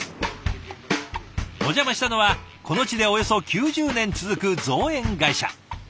お邪魔したのはこの地でおよそ９０年続く造園会社。